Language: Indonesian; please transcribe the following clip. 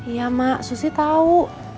iya mak susi tau